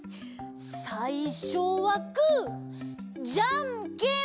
さいしょはグーじゃんけんぽん！